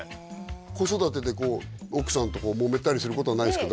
子育てで奥さんともめたりすることはないですか？